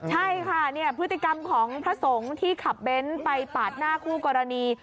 ใช่ค่ะเนี่ยพฤติกรรมของพระสงฆ์ที่ขับเบ้นไปปาดหน้าคู่กรณี